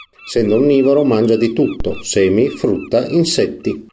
Essendo onnivoro, mangia di tutto, semi, frutta, insetti.